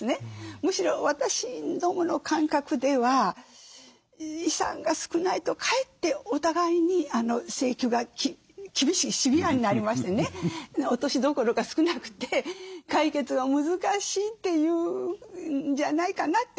むしろ私どもの感覚では遺産が少ないとかえってお互いに請求が厳しいシビアになりましてね落としどころが少なくて解決が難しいというんじゃないかなという感じはありますよ。